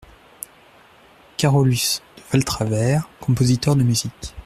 Carolus de Valtravers , compositeur de musique.